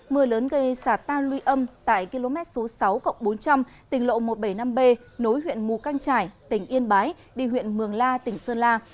mưa lớn gây xả tan luy âm tại km số sáu bốn trăm linh tỉnh lộ một trăm bảy mươi năm b nối huyện mù căng trải tỉnh yên bái đi huyện mường la tỉnh sơn la